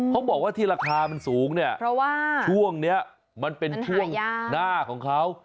เขาบอกว่าที่ราคามันสูงเนี่ยเพราะว่าช่วงนี้มันเป็นช่วงหน้าของเขา